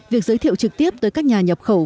việc giới thiệu trực tiếp tới các nhà nhập khẩu